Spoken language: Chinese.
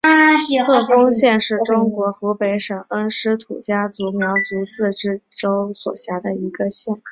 鹤峰县是中国湖北省恩施土家族苗族自治州所辖的一个县。